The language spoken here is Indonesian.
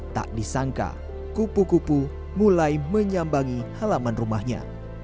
tak disangka kupu kupu mulai menyambangi halaman rumahnya